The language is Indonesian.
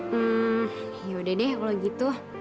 hmm yaudah deh kalau gitu